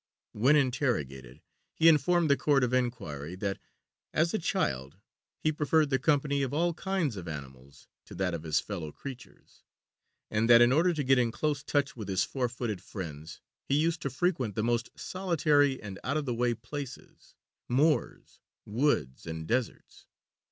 When interrogated, he informed the court of inquiry that, as a child, he preferred the company of all kinds of animals to that of his fellow creatures, and that in order to get in close touch with his four footed friends he used to frequent the most solitary and out of the way places moors, woods, and deserts.